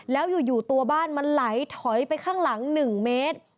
แล้วอยู่ตัวบ้านมันไหลถอยไปข้างหลัง๑เมตร